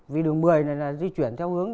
vì đường một mươi này là di chuyển theo hướng